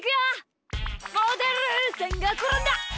モデルさんがころんだ！